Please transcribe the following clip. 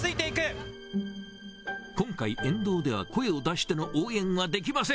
今回、沿道では声を出しての応援はできません。